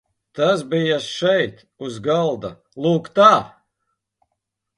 Tas bija šeit, uz galda, lūk tā!